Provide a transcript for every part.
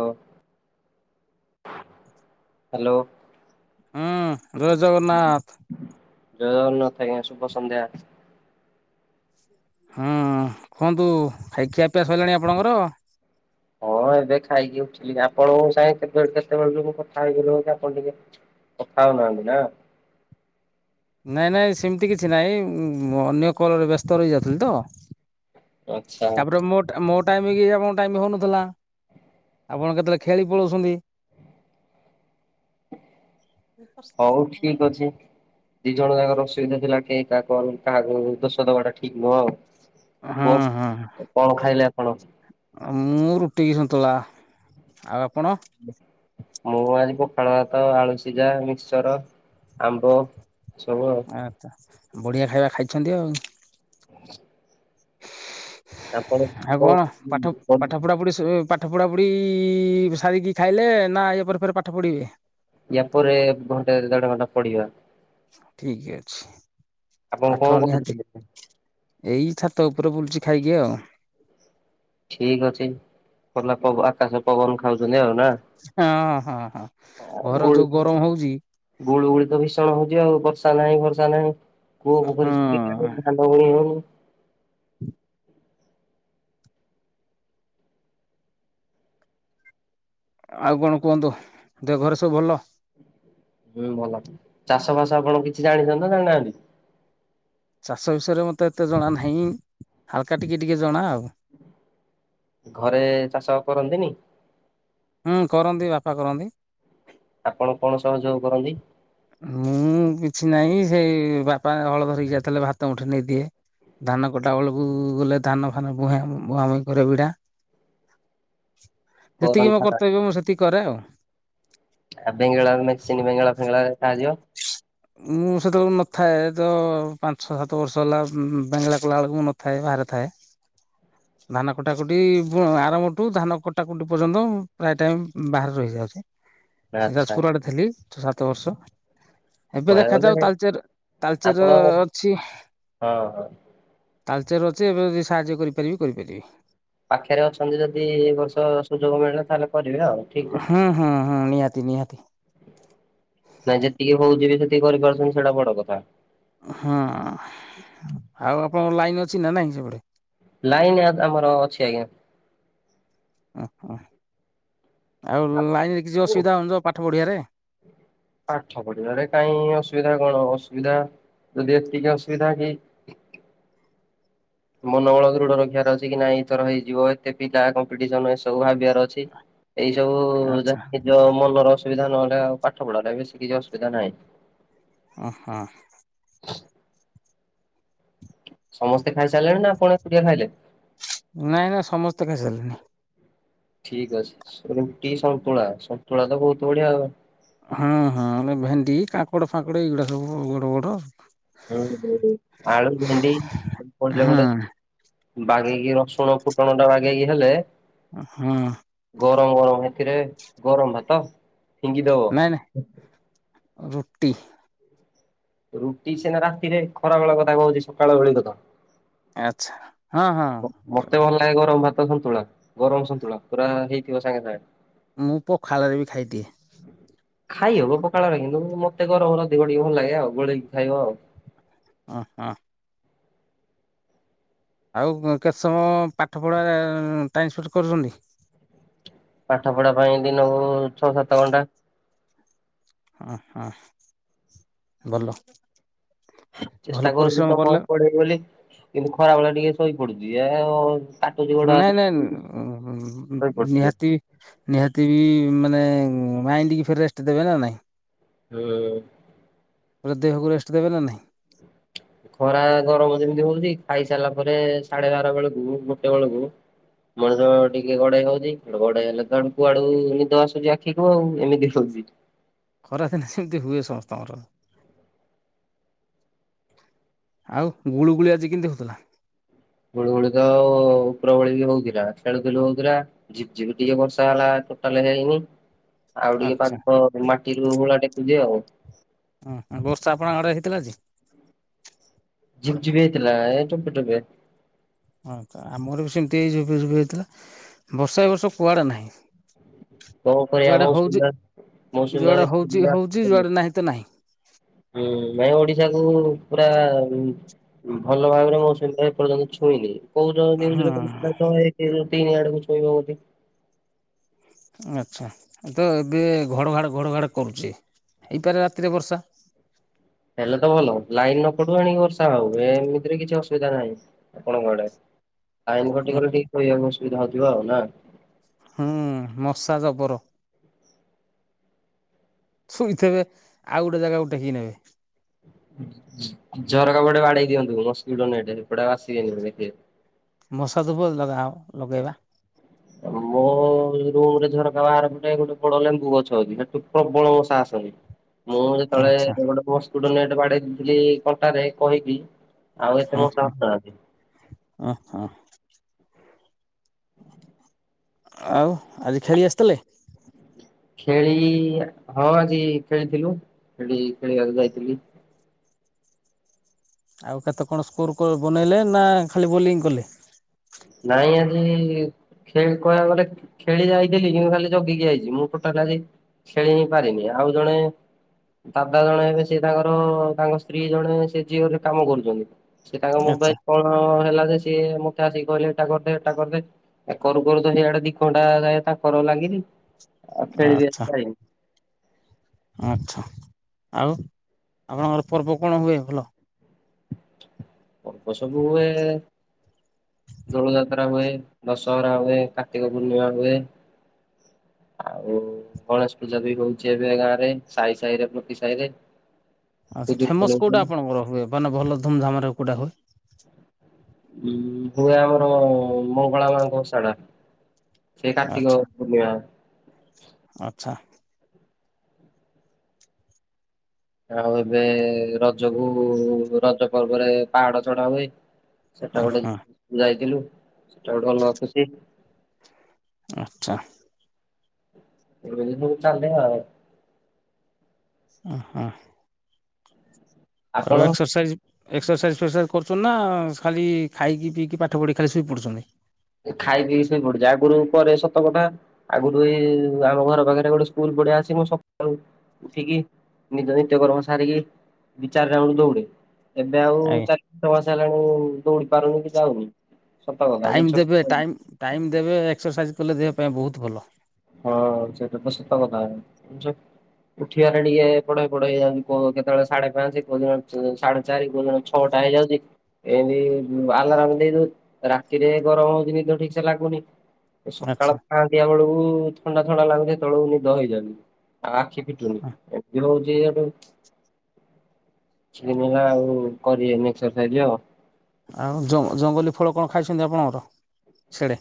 ହଁ। [inaudible] ହୁଁ ଜୟ ଜଗନ୍ନାଥ। ଜୟ ଜଗନ୍ନାଥ ଆଜ୍ଞା ଶୁଭ ସନ୍ଧ୍ୟା। ହୁଁ କୁହନ୍ତୁ ଖାଇ ଖିଆ ପିଆ ସରିଲାଣି ଆପଣଙ୍କର? ହଁ ଏବେ ଖାଇକି ଉଠିଲି ଆପଣଙ୍କୁ ସାଙ୍ଗେ କେତେବେ କେତେବେଳ ମୁଁ କଥା ହେଇଥିଲି କି ଆପଣ ଟିକେ? କଥା ହଉନାହାନ୍ତି ନା। ନାଇଁ ନାଇଁ ସେମିତି କିଛି ନାଇଁ ଅନ୍ୟ କଲରେ ବ୍ୟସ୍ତ ରହି ଯାଉଥିଲି ତ। ଆଚ୍ଛା ତାପରେ ମୋ ଟା ମୋ ଟାଇମ କି ଆପଙ୍କ ଟାଇମ ହଉନଥିଲା। ଆପଣ କେତେବେଳେ ଖେଳି ପଳଉଛନ୍ତି। ବ ପ୍ରସନ [inaudible] ହଉ ଠିକ ଅଛି। ଦି ଜଣ ଯାକର ଅସୁବିଧା ଥିଲା କେ କାହା କଣ କାହାକୁ ଦୋଷ ଦବାଟା ଠିକ ନୁହଁ ଆଉ। ହୁଁ କୁ ହୁଁ କଣ ଖାଇଲେ ଆପଣ? ମୁଁ ରୁଟି କିି ସନ୍ତୁଳା ଆଉ ଆପଣ? ମୁଁ ଆଜି ପଖାଳ ଭାତ ଆଳୁ ସିଝା ମିକ୍ସଚର। ଆମ୍ବ ସବୁ ଆଉ। ଆଚ୍ଛା ବଢ଼ିଆ ଖାଇବା ଖାଇଛନ୍ତି ଆଉ। [inaudible] ଆଉ କଣ ପାଠ ପାଠ ପଢା ପଢି ସ ପାଠ? ପାଠ ପଢା ପଢ଼ି ସାରିକି ଖାଇଲେ ନା ଇଏ ପରେ ପରେ ପରେ ପାଠ ପଢିବେ? ୟା ପରେ ଘଣ୍ଟେ ଦେଢ ଘଣ୍ଟା ପଢ଼ିବା। ଠିକ ଅଛି ଆପଣ କଣ ପାଠ ନିହାତି। କରୁଛନ୍ତି? ଏଇ ଛାତ ଉପରେ ବୁଲୁଛି ଖାଇକି ଆଉ। ଠିକ ଅଛି ଖୋଲା ପ ଆକାଶ ପବନ ଖାଉଛନ୍ତି ଆଉ ନା। ଅ ହଁ ହଁ ହଁ ହଁ। ଘର ଯୋଉ ଗୁଳୁକି ଗରମ ହଉଛି ଗୁଳୁ ଗୁଳି ତ ଭୀଷଣ ହଉଛି ଆଉ ବର୍ଷା ନାହିଁ ବର୍ଷା ନାହିଁ। ପୁଅ ହଁ କହିଲି ସ୍ପି ଆଣିବ କି କାଦ୍ଧ ହଉନି [inaudible] ହୁଁ। ଆଉ କଣ କୁହନ୍ତୁ ଦେହ ଘରେ ସବୁ ଭଲ। ହଁ ଭଲ ଚାଷ ବାସ ଆପଣ କିଛି ଜାଣିଛନ୍ତି ନା ଜାଣିନାହାନ୍ତି। ଚାଷ ବିଷୟରେ ମୋତେ ଏତେ ଜଣା ନାହିଁ ହାଲକା ଟିକେ ଟିକେ ଜଣା ଆଉ। ଘରେ ଚାଷ କରନ୍ତିନି। ହୁଁ କରନ୍ତି ବାପା କରନ୍ତି। ଆପଣ କଣ ସହଯୋଗ କରନ୍ତି। ମୁଁ କିଛି ନାହିଁ ସେଇ ବାପା ହଳ ଧରିକି ଆସିଥିଲେ ଭାତ ମୁଠି ନେଇଦିଏ। ଧାନ କଟାବେଳକୁ ଗଲେ ଧାନ ଫାନ ବୁହା ବୁହା ବୁହି କରେ ବିଡ଼ା। [inaudible] ଯେତିକି ମୋ କରନ୍ତା କର୍ତ୍ତବ୍ୟ ମୁଁ ସେତିକି କରେ ଆଉ। ଆ ବେଙ୍ଗଳ ମେସିନି ବେଙ୍ଗଳା ଫେଙ୍ଗଳାରେ ସାହାଯ୍ୟ ମୁଁ ସେତେବେଳକୁ ନଥାଏ ତ ପାଞ୍ଚ ଛ ସାତ ବର୍ଷ ହେଲା ବେଙ୍ଗଳା କଲାବେଳକୁ ମୁଁ ନଥାଏ ବାହାରେ ଥାଏ। [inaudible] ଧାନ କଟାକଟି ଆରମ୍ଭ ଠୁ ଧାନ କଟାକଟି ପର୍ଯ୍ୟନ୍ତ ପ୍ରାୟ ଟାଇମ ବାହାରେ ରହିଯାଉଛି। [unintelligible] ସେ ଯାଜପୁର ଆଡେ ଥିଲି ଛ ସାତ ବର୍ଷ। ଏବେ କହିବାକୁ ଦେଖାଯାଉ ଗଲେ ତାଲଚେର ତାଲଚେର ଆପଣ ରେ ହଁ ଅଛି। ତାଲଚେର ଅଛି ଏବେ ଯଦି ସାହାଯ୍ୟ କରିପାରିବି କରିପାରିବି। ପାଖରେ ଅଛନ୍ତି ଯଦି ଏ ବର୍ଷ ସୁଯୋଗ ମିଳିଲା ତାହେଲେ କରିବେ ଆଉ। ଠିକ କଥା। ହୁଁ ହୁଁ ହୁଁ ନିହାତି ନିହାତି। ନାଇଁ ଯେତିକି ହଉଚି ସେତିକି କରିପାରୁଛନ୍ତି ସେଇଟା ବଡ କଥା। ହୁଁ ଆଉ ଆପଣଙ୍କ ଲାଇନ୍ ଅଛି ନା ନାହିଁ ସେପଟେ। ଲାଇନ ଆମର ଅଛି ଆଜ୍ଞା। ଓହୋ ଆଉ ଲାଇନି କିଛି ଅସୁବିଧା ହୋଉନିତ ପାଠ ପଢ଼ିବାରେ। ପାଠ ପଢିବାରେ କାଇଁ ଅସୁବିଧା କଣ ଅସୁବିଧା ଯଦି ଏତିକି ଅସୁବିଧା କି ମନମଳ ଦୃଡ ରଖିବାର ଅଛି କି ନାଇଁ ଏଇଥର ହେଇଯିବ ଏତେ ପିଲା କମ୍ପିଟିସନ ଏ ସବୁ ଭାବିବାର ଅଛି। [inaudible] ଏଇ ସବୁ ଆଚ୍ଛା ଯାହା ନିଜ ମନର ଅସୁବିଧା ନହେଲେ ଆଉ ପାଠ ପଢାରେ ବେଶୀ କିଛି ଅସୁବିଧା ନାହିଁ। ଅହ ହଁ। ସମସ୍ତେ ଖାଇ ସାରିଲେଣି ନା ଆପଣ ଏକୁଟିଆ ଖାଇଲେ। ନାଇଁ ନାଇଁ ସମସ୍ତେ ଖାଇସାରିଲଣିି। ଠିକ ଅଛି ରୁଟି ସନ୍ତୁଳା ସନ୍ତୁଳା ତ ବହୁତ ବଢିଆ। ହଁ ହଁ ଭେଣ୍ଡି କାକଡ ଫାକଡ ଏଇଗୁଡା ସବୁ ବଡ ବଡ। ହୁଁ [unintelligible] ବାଗେଇକି ରସୁଣ ଫୁଟଣ ଟା ବାଗେଇକି ହେଲେ। ହୁଁ ଗରମ ଗରମ ସେଥିରେ ଗରମ ଭାତ ଫିଙ୍ଗିଦବ ନାଇଁ ନାଇଁ ରୁଟି। ରୁଟି ସିନା ରାତିରେ ଖରା ବେଳ କଥା କହୁଛି ସକାଳ ବେଳ କଥା। ଆଚ୍ଛା। ହଁ ହଁ ମତେ ଭଲ ଲାଗେ ଗରମ ଭାତ ସନ୍ତୁଳା ଗରମ ସନ୍ତୁଳା ପୁରା ହେଇଥିବ ସାଙ୍ଗେ ସାଙ୍ଗେ। ମୁଁ ପଖାଳରେ ବି ଖାଇଦିଏ। ଖାଇହବ ପଖାଳରେ କିନ୍ତୁ ମତେ ଗରବର ଦିଗିକ ଭଲ ଲାଗେ ଆଉ ଗୋଲେଇକି ଖାଇବ ଆଉ। ଓହୋ ଆଉ କେତେ ସମୟ ପାଠ ପଢ଼ା ଟାଇମ୍ ସ୍ପେଣ୍ଡ କରୁଛନ୍ତି ପାଠ ପଢା ପାଇଁ ଦିନକୁ ଛଅ ସାତ ଘଣ୍ଟା ହ ହ ଭଲ ଭଲ ଚେଷ୍ଟା କରୁଛି ପରିଶ୍ରମ ତ କଲେ ପଡିବି ବୋଲି କିନ୍ତୁ ଖରା ଭେଳେଆ ଟିକେ ସୋଇ ପଡୁଛି ଆ ନାଇଁ ନାଇଁ ଶୋଇପଡୁଛି ଟିକେ। ନିହାତି ନିହାତି ବି ମାନେ ମାଇଣ୍ଡ କି ଫେର୍ ରେଷ୍ଟ ଦେବେ ନା ନାଇଁ ହୁଁ ପୁରା ଦେହକୁ ରେଷ୍ଟ ଦେବେ ନାହିଁ [inaudible] ଖରା ଗରମ ଯେମିତି ହଉଛି ଖାଇ ସାରିଲା ପରେ ସାଢେ ବାର ବେଳକୁ ଗୋଟେ ବେଳକୁ ମଣିଷ ଟିକେ ଗଡେଇ ହଉଛି ଗଡେଇ ହେଲା କୁଆଡୁ ନିଦ ଆସୁଛି ଆଖି କୁ ଆଉ ଏମିତି ହଉଛି ଖରାଦିନେ ସେମିତି ହୁଏ ସମସ୍ତଙ୍କର ଆଉ ଗୁଳୁ ଗୁଳି ଆଜି କେମିତି ହଉଥିଲା ଗୁଳୁଗୁଳି ତ ଉପର ଓଳି ବି ହଉଥିଲା ଖେଳୁ ଥିଲୁ ହଉଥିଲା ଝିପ୍ ଝିପି ଟିକେ ବର୍ଷା ହେଲା ଟୋଟାଲ ହୋଇନି ଆଉ ଟିକେ ଆଚ୍ଛା ପାଙ୍କ ମାଟିରୁ ଭୁଳା ଟେକୁଛିିବ ଆଉ ଓଁ ବର୍ଷା ଆପଣଙ୍କ ଆଡରେ ହେଇଥିଲା ଆଜି ଝିପ୍ ଝିପ ହେଇଥିଲା ଏଇ ଟୋପେ ଟୋପେ ହଁ ଆମର ବି ସେମିତି ଝିପ୍ ଝିପ୍ ହେଇଥିଲା ବର୍ଷା ଏ ବର୍ଷ କୁଆଡ଼େ ନାହିଁ କଣ କରିବା ଯୁଆଡେ ମୌସୁମୀ ହଉଛି ବା ମୌସୁମୀ ଯୁଆଡେ ହଉଛି ହଉଛି ବାୟୁ ଯୁଆଡେ ନାହିଁ ତ ନାହିଁ ହୁଁ ଭାଇ ଓଡିଶା କୁ ପୁରା ଭଲ ଭାବରେ ମୁଁ ସେମିତୀ ଏପର୍ଯ୍ୟନ୍ତ ଛୁଇଁନି। କୋଉଜରେ ହଁ କ ତିନି ଆଡକୁ ଶୋଇ ଆଚ୍ଛା ତ ଏବେ ଘଡ଼ଘାଡ଼ ଘଡ଼ଘାଡ଼ କରୁଛି ହେଇପାରେ ରାତିରେ ବର୍ଷା। ହେଲେ ତ ଭଲ ଲାଇନ ନ ପଡୁ ଆଣିକି ବର୍ଷା ହଉ ଏମିତିରେ କିଛି ଅସୁବିଧା ନାହିଁ ଆପଣଙ୍କ ଆଡେ? ଆଇନ କଟି ଗଲେ ଠିକ କହିବାକୁ ଅସୁବିଧା ହଉଯିବ ଆଉ ନା? ହୁଁ ମଶା ଜବର। ଶୋଇଥିବେ ଆଉ ଗୋଟେ ଜାଗାକୁ ଟେକି ନେବେ। ଜର କାପଟେ ବାଡେଇ ଦିଅନ୍ତୁ ମସ୍କିଟୋ ନେ ଏପଟା ଆସିବେନି ଦେଖ। ମଶା ଧୁବ ଲଗା ଲଗେଇବା। ମୁଁ ରୁମରେ ଝରକା ବାହାର ପଟେ ଗୋଟେ ବଡ ଲେମ୍ବୁ ଗଛ ଅଛି ସେଠୁ ପ୍ରବଳ ମଶା ଆସନ୍ତି। ମୁଁ ଯେତେବେଳେ ଆଚ୍ଛା ଗୋଟେ ମସ୍କୁଟ ନେଟ ବାଡେଇ ଦେଇଥିଲି କଣ୍ଟାରେ କହିକି। ଆଉ ଏତେ ମଶା ନାହାନ୍ତି। ଓ ହ। ଆଉ ଆଜି ଖେଳି ଆସିଥିଲେ? ଖେଳି ହଁ ଆଜି ଖେଳିଥିଲୁ ଖେଳି ଖେଳିବାକୁ ଯାଇଥିଲି। ଆଉ କେତେ କଣ ସ୍କୋର ବନେଇଲେ ନା ଖାଲି ବୋଲିଂ କଲେ। ନାଇଁ ଆଜି ଖେଳି କହିବାକୁ ଗଲେ ଖେଳି ଯାଇଥିଲିଁ ଖାଲି ଜଗିକି ଯାଇଛି ମୁଁ ଟୋଟା ଖାଲି। ଖେଳି ହିଁ ପାରିନି ଆଉ ଜଣେ ଦାଦା ଜଣେ ହେବେ ସେ ତାଙ୍କର ତାଙ୍କ ସ୍ତ୍ରୀ ଜଣେ ସେ ଜିଓ ରେ କାମ କରୁଛନ୍ତି। ସେ ତାଙ୍କ ଆଚ୍ଛା ମୋବାଇଲ କଣ ହେଲା ଯେ ସିଏ ମତେ ଆସିକି କହିଲେ ଏଟା କରିଦେ ଏଟା କରିଦେ। ଏ କରୁ କରୁ ତ ସେଇଆଡେ ଦି ଖଣ୍ଟା ଯାଏ ତା କରର ଲାଗିଲି। ଆଉ ଖେଳିବି ଆଜି ଆଚ୍ଛା। ପାରିନି। ଆଚ୍ଛା ଆଉ ଆପଣଙ୍କର ପର୍ବ କଣ ହୁଏ ଭଲ? ଅଳ୍ପ ସବୁ ହୁଏ। ଦୋଳ ଯାତ୍ରା ହୁଏ ଦଶହରା ହୁଏ କାର୍ତ୍ତିକ ପୂର୍ଣ୍ଣିମା ହୁଏ। ଆଉ ଗଣେଶ ପୂଜା ବି ହଉଛି ଏବେ ଗାଁ ରେ ସାହି ସାହିରେ ପ୍ରତି ସାହିରେ। ଆ ଫେମସ କୋଉଟା ଆଣଙ୍କର ହୁଏ ମାନେ ଭଲ ଧୁମଧାମରେ କୋଉଟା ହୁଏ? ଉ ହୁଏ ଆମର ମଙ୍ଗଳା ମାଙ୍କ ଓଷାଟା ସେ କାର୍ତ୍ତିକ ଆଚ୍ଛା ପୂର୍ଣ୍ଣିମା। ଆଚ୍ଛା। ଆଉ ଏବେ ରଜକୁ ରଜ ପର୍ବରେ ପାହାଡ ଚଢା ହୁଏ। ସେଟା ହଁ ଗୋଟେ ହଁ ଯାଇଥିଲୁ ସେଟା ଗୋଟେ ଭଲ ଖୁସି। ଆଛା। [unintelligible] ଓହୋ। ଆପଣ ଆଉ ଏକ୍ସରସାଇଜ୍। ଏକ୍ସରସାଇଜ୍ ଫେକ୍ସରସାଇଜ୍ କରୁଛନ୍ତି ନା ଖାଲି ଖାଇକିପିଇକି ପାଠ ପଢ଼ି ଖାଲି ଶୋଇ ପଡୁଛନ୍ତି। ଖାଇ ପିଇି ସୋଇପଡୁ ଜାକରୁ ପରେ ସତକଥା ଆଗରୁ ଏଇ ଆମ ଘର ପାଖରେ ଗୋଟେ ସ୍କୁଲ ପଡିଆ ଅଛି ମୁଁ ସକାଳୁ ଉଠିକି ନିଜ ନିତ୍ୟ କର୍ମ ସାରିକି ଚାରି ରାଉଣ୍ଡ ଦୌଡେ। ଏବେ ଆଉ ଆଜ୍ଞା। ଚାରି ପାଞ୍ଚ ମାସ ହେଲାଣି ଦୌଡି ପାରୁନି କି ଯାଉନି ସତ କଥା ଟାଇମ୍ ମିଛ ଦେବେ ଟାଇମ୍ ଟାଇମ୍ ଦେବେ ଏକ୍ସରସାଇଜ କଲେ ଦେହ ପାଇଁ ବହୁତ ଭଲ। ହଁ ସେଟା ତ ସତ କଥା [unintelligible] କିନ୍ତୁ ସେ ଉଠିବାରେ ଟିକେ ଏପଟ ସେପଟ ହେଇଯାଉ କୋ କେତେବେଳେ ସାଢେ ପାଞ୍ଚ କୋଉ ଦିନ [unintelligible] ସାଢେ ଚାରି କୋଉ ଦିନ ଛଟା ହେଇଯାଉଚି। ଏମତି ଆଲାରାମ୍ ଦେଇଦୋଉ ରାତିରେ ଗରମ ହୋଉଚି ନିଦ ଠିକ୍ ସେ ଲାଗୁନି। ଏ ସକାଳ ଆଚ୍ଛା। ପାଂହାଁତିଆ ବେଳକୁ ଥଣ୍ଡା ଥଣ୍ଡା ଲାଗୁଚି। ହେତେବେଳକୁ ନିଦ ହେଇଯାଉଚି ଆ ଆଖି ଫିଟୁନି ଏମିତି ହୋଉଚି [unintelligible] କିଛିି ଦିନି ହେଲା ଆଉ କରି ହେଇନି ଏକ୍ସରସାଇଜ ଆଉ। ଆଉ ଜଅ ଜଙ୍ଗଲୀ ଫଳ କଣ ଖାଇଚନ୍ତି ଆପଣଙ୍କର ସିଆଡେ?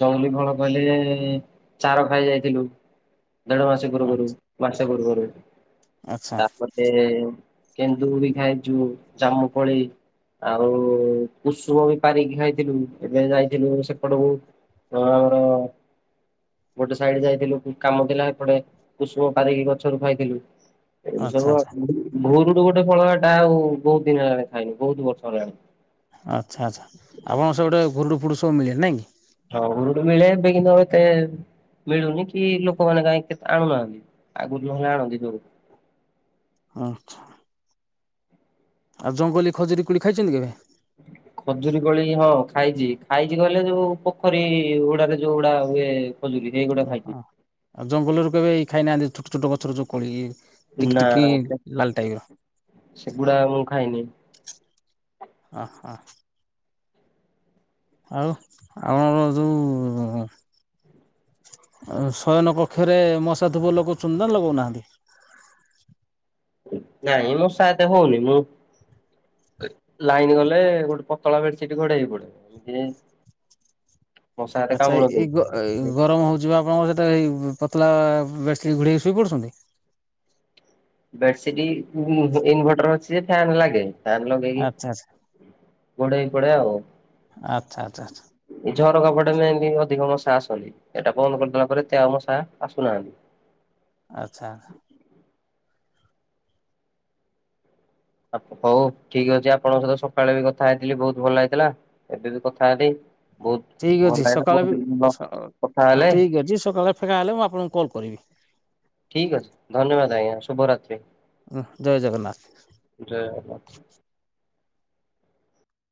ଜଙ୍ଗଲୀ ଫଳ କହିଲେ ଚାର ଖାଇ ଯାଇଥିଲୁ। ଦେଢ ମାସ ପୂର୍ବରୁ ଆଚ୍ଛା ମାସେ ପୂର୍ବରୁ ଆଚ୍ଛା ତାପରେ କେନ୍ଦୁ ବି ଖାଇଚୁ ଜାମୁକୋଳି ଆଉ କୁଷୁମ ବି ପାରିକି ଖାଇଥିଲୁ ଏବେ ଯାଇଥିଲୁ ସେପଟକୁ ହଁ ର [unintelligible] ଗୋଟେ ସାଇଡି ଯାଇଥିଲୁ କାମଥିଲା ଏପଟେ କୁଷୁମ ପାରିକି ଗଛରୁ ଖାଇଥିଲୁ। ଏମିତି ସବୁ ଆଚ୍ଛା ଆଉ [unintelligible] ଭୁର୍ ରୁୁ ଯୋଉ ଗୋଟେ ଫଳ ହେଟା ଆଉ ବୋହୁତ ଦିନ ହେଲାଣି ଖାଇନି, ବୋହୁତ ବର୍ଷ ହେଲାଣି। ଆଚ୍ଛା ଆଚ୍ଛା ଆପଣଙ୍କ ସେପଟେ ଘୁରୁଡ ଫୁରୁଡ ସବୁ ମିଳେ ନାଇଁ କି? ଆଗୁରୁ ବି ମିଳେ ଏବେ କିନ୍ତୁ ଆଉ ଏତେ ମିଳୁନି କି ଲୋକମାନେ କାହିଁ କେତେ ଆଣୁନାହାନ୍ତି। ଆଗରୁ ନହେଲେ ଆଣନ୍ତି ଜୋରକୁ। [unintelligible] ହଁ। ଆଉ ଜଙ୍ଗଲୀ ଖଜୁରୀ କୋଳି ଖାଇଚନ୍ତି କେବେ? [inaudible] ଖଜୁରୀ କୋଳି ହଁ ଖାଇଚି, ଖାଇଚି କହିଲେ ଯୋଉ ପୋଖରୀ ହୁଡାରେ ଯୋଉ ଗୁଡା ହୁଏ। ସେଗୁଡା ଖାଇଚି। ଓହୋ। ଆଉ ଜଙ୍ଗଲରୁ କେବେ ଖାଇନାହାନ୍ତି ଛୋଟ ଛୋଟ ଗଛର ଯୋଉ କୋଳି ଟିକ ନା ଟିକି ଲାଲ ଟାଇପର। ସେଗୁଡା ମୁଁ ଖାଇନି। ଆହା ଆଉ [unintelligible] ଆପଣ ସବୁ ଶୟନ କକ୍ଷରେ ମଶାଧୂପ ଲଗୋଉଚନ୍ତି ନା ଲଗୋଉ ନାହାନ୍ତି? ନାଇଁ ମଶା ଏତେ ହୋଉନି ମ। ଲାଇନ୍ ଗଲେ ଗୋଟେ ପତଳା ବେଡସିଟ୍ ଘୋଡେଇ ହେଇ ପଡିବୁ ଏମତିରେ [inaudible] ଆଚ୍ଛା ଏ -ଏଇ ଗରମ ହୋଉଚି ବା ଆପଣଙ୍କର ଯେତେବେଳେ ଏଇ ପତଲା ବେଡସିଟ୍ ଘୁଡେଇ ହେଇକି ଶୋଇ ପଡୁଚନ୍ତି? ବେଡସିଟ୍ [unintelligible] ଇନଭର୍ଟର ଅଛି ଯେ ଫ୍ୟାନ୍ ଲାଗେ। ଫ୍ୟାନ୍ ଲଗେଇକି ଆଚ୍ଛା ଘୋଡେଇ ହେଇ ପଡେ ଆଉ। ଆଚ୍ଛା ଆଚ୍ଛା ଆଚ୍ଛା ଆଚ୍ଛା ଏଇ ଝରକା ପଟେ [unintelligible] ଏମିତି ଅଧିକ ମଶା ଆସନ୍ତି। ଏଟା ବନ୍ଦ କରିଦେଲା ପରେ ଏତେ ଆଉ ମଶା ଆସୁନାହାନ୍ତି। ଆଚ୍ଛା। ହୋଉ ଠିକ୍ ଅଛି ଆପଣଙ୍କ ସହିତ ସକାଳେ ବି କଥା ହେଇଥିଲି ବୋହୁତ ଭଲ ଲାଗିଥିଲା। ଏବେ ବି କଥା ହେବି। ଠିକ୍ ଅଛି ସକାଳେ ବି ସ କଥା ହେଲେ ଠିକ୍ ଅଛି ସକାଳେ ଫାଙ୍କା ହେଲେ ମୁଁ ଆପଣଙ୍କୁ କଲ୍ କରିବି। ଠିକ୍ ଅଛି ଧନ୍ୟବାଦ ଆଜ୍ଞା ଶୁଭରାତ୍ରି ଜୟ ଜଗନ୍ନାଥ। ଜୟଗନ୍ନାଥ।